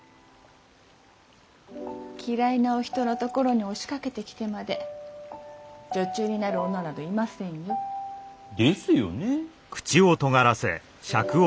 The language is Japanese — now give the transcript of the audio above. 嫌いなお人の所に押しかけてきてまで女中になる女などいませんよ。ですよね。